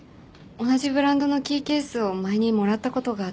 同じブランドのキーケースを前にもらったことがあって。